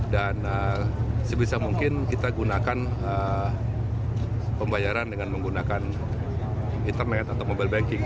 dan sebisa mungkin kita gunakan pembayaran dengan menggunakan internet atau mobile banking